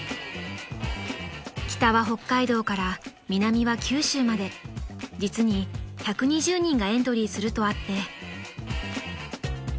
［北は北海道から南は九州まで実に１２０人がエントリーするとあって］